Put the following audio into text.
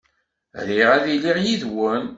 Riɣ ad iliɣ yid-wen.